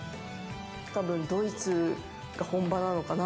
たぶんドイツが本場なのかな？